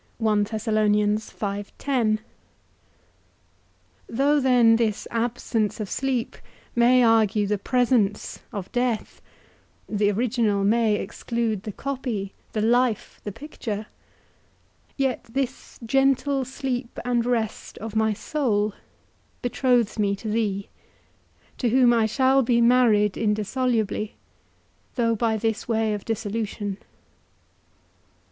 Though then this absence of sleep may argue the presence of death (the original may exclude the copy, the life the picture), yet this gentle sleep and rest of my soul betroths me to thee, to whom I shall be married indissolubly, though by this way of dissolution.